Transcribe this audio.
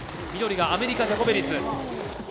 緑がアメリカ、ジャコベリス。